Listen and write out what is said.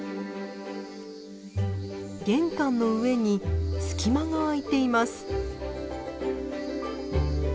玄関の上に隙間が空いています。